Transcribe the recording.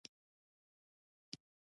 ازموینې هم اعلان کړې